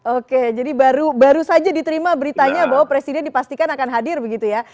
oke jadi baru saja diterima beritanya bahwa presiden dipastikan akan hadir begitu ya